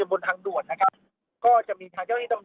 กินดอนเมืองในช่วงเวลาประมาณ๑๐นาฬิกานะครับ